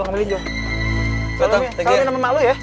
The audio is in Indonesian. kalian nama emak lu ya